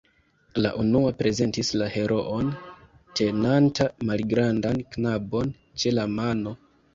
La unua prezentis la heroon, tenanta malgrandan knabon ĉe la mano.